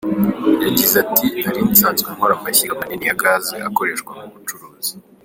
Yagize ati “Nari nsanzwe nkora amashyiga manini ya gaz akoreshwa mu bucuruzi.